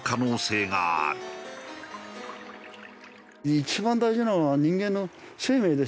一番大事なのは人間の生命ですよ。